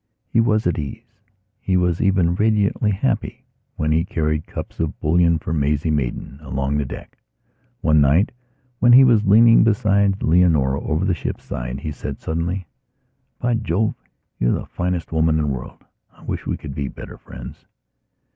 He was at ease; he was even radiantly happy when he carried cups of bouillon for Maisie Maidan along the deck. One night, when he was leaning beside Leonora, over the ship's side, he said suddenly: "By Jove, you're the finest woman in the world. I wish we could be better friends."